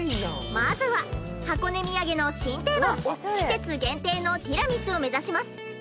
まずは箱根土産の新定番季節限定のティラミスを目指します。